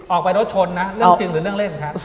ออกไปรถชนนะเรื่องจริงหรือเรื่องเล่นครับ